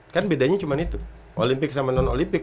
kan bedanya cuma itu olympic sama non olympic